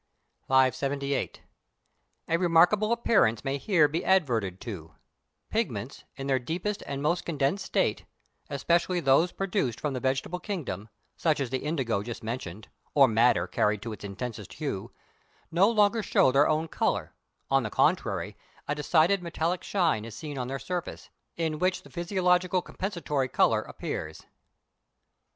578. A remarkable appearance may be here adverted to; pigments, in their deepest and most condensed state, especially those produced from the vegetable kingdom, such as the indigo just mentioned, or madder carried to its intensest hue, no longer show their own colour; on the contrary, a decided metallic shine is seen on their surface, in which the physiological compensatory colour appears.